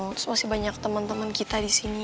terus masih banyak temen temen kita di sini